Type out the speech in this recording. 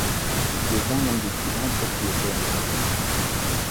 Il devint l'un des plus grands propriétaires de la région.